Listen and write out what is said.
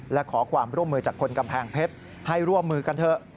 และขอความร่วมมือจากคนกำแพงเพชรให้ร่วมมือกันเถอะ